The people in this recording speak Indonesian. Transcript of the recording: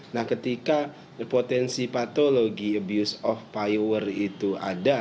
nah ketika potensi patologi abuse of power itu ada